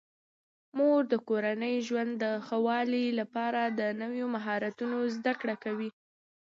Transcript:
مور د کورني ژوند د ښه والي لپاره د نویو مهارتونو زده کړه کوي.